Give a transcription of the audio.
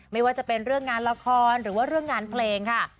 ไม่ว่าจะเป็นเรื่องงานละครหรือว่าเรื่องงานเพลงค่ะ